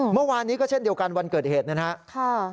เมื่อวานนี้ก็เช่นเดียวกันวันเกิดเหตุนะครับ